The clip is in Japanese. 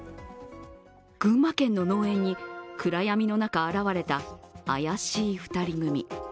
群馬県の農園に暗闇の中現れた怪しい２人組。